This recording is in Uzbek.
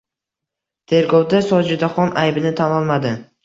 Tergovda Sojidaxon aybini tan olmadi